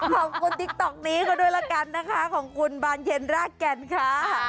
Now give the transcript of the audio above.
ขอบคุณติ๊กต๊อกนี้เข้าด้วยละกันนะคะขอบคุณบางเย็นรากแก่นค่ะ